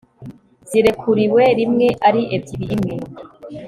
zirekuriwe rimwe ari ebyiri imwe